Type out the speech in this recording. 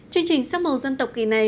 chương trình sắc màu dân tộc kỳ này